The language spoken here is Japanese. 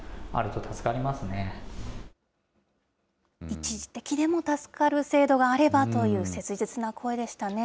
一時的でも助かる制度があればという切実な声でしたね。